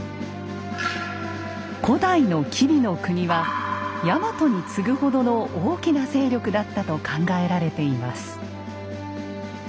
古代の吉備国はヤマトに次ぐほどの大きな勢力だったと考えられています。